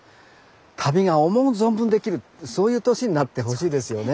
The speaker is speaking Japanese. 旅が思う存分できるそういう年になってほしいですよね。